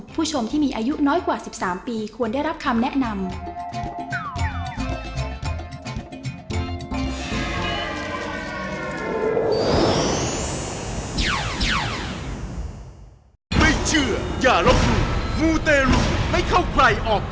ผู้ชมที่มีอายุน้อยกว่า๑๓ปีควรได้รับคำแนะนำ